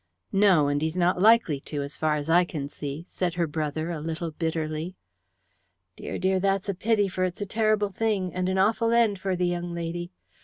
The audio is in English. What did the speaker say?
"No, and he's not likely to, as far as I can see," said her brother a little bitterly. "Dear, dear, that's a pity, for it's a ter'ble thing, and an awful end for the young lady.